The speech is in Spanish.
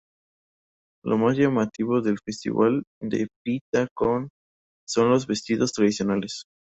Lo más llamativo del festival de Phi Ta Khon son los vestidos tradicionales.